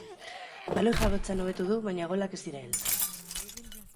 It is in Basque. Baloi jabetzan hobetu du baina golak ez dira heltzen.